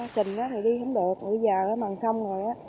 sình thì đi không được bây giờ mà xong rồi